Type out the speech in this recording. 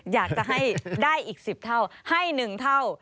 อยากจะให้ได้อีก๑๐เท่าให้๑เท่า